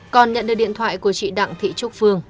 còn nhận được điện thoại của chị đặng thị trúc phương